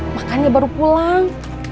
makannya baru pulang